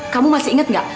kamu masih inget gak